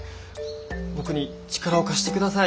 僕に力を貸して下さい。